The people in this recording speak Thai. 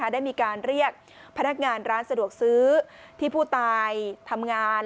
ได้มีการเรียกพนักงานร้านสะดวกซื้อที่ผู้ตายทำงาน